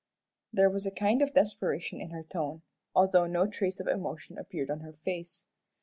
There was a kind of desperation in her tone, although no trace of emotion appeared on her face.